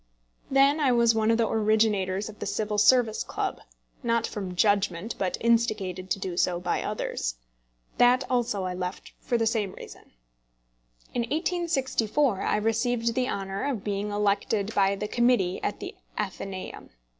Then I was one of the originators of the Civil Service Club not from judgment, but instigated to do so by others. That also I left for the same reason. In 1864 I received the honour of being elected by the Committee at the Athenæum.